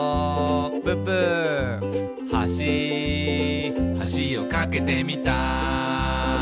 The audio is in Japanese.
「はしはしを架けてみた」